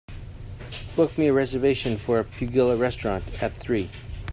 Book me a reservation for a puglia restaurant at three